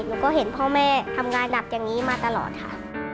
หนูก็เห็นพ่อแม่ทำงานหนักอย่างนี้มาตลอดค่ะ